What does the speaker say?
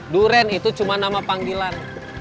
durian itu cuma nama panggilan